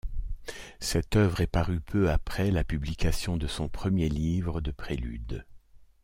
Cette œuvre est parue peu après la publication de son premier livre de Préludes.